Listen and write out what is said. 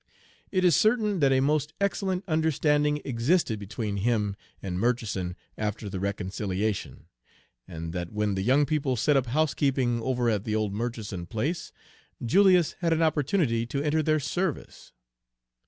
It is certain that a most excellent understanding existed between him and Murchison after the reconciliation, and that when the young people set up housekeeping over at the old Murchison Page 229 place, Julius had an opportunity to enter their service.